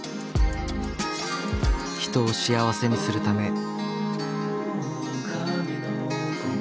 人を幸せにするため。